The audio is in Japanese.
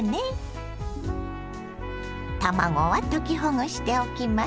卵は溶きほぐしておきます。